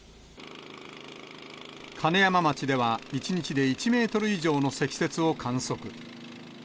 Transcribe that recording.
金山町では１日で１メートル以上の積雪を観測。